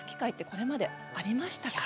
これまでありましたか？